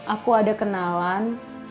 aku ada kenalan